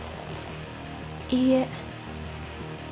いいえ。